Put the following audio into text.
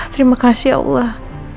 terima kasih allah